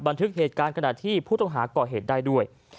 บันทึกเหตุการณ์ขณะที่ผู้ต้องหาก่อเหตุได้ด้วย